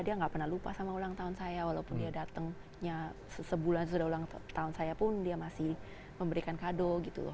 dia nggak pernah lupa sama ulang tahun saya walaupun dia datangnya sebulan sudah ulang tahun saya pun dia masih memberikan kado gitu